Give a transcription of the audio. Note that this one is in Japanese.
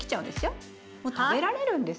もう食べられるんです。